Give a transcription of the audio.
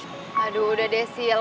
ih aduh udah deh siel